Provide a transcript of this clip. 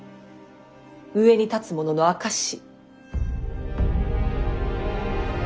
上に立つ者の証し。